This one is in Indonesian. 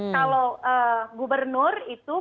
kalau gubernur itu penjabatnya